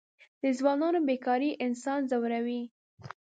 د ځوانانو بېکاري انسان ځوروي.